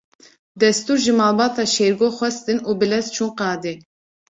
Destûr ji malbata Şêrgo xwestin û bi lez çûn qadê.